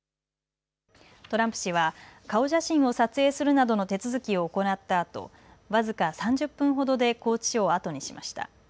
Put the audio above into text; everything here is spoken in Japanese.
トランプ氏は顔写真を撮影するなどの手続きを行ったあと僅か３０分ほどで拘置所を後にしました。